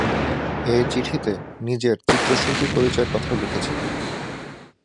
তিনি এ চিঠিতে নিজের চিত্রশিল্পী পরিচয়ের কথাও লিখেছিলেন।